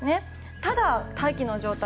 ただ、大気の状態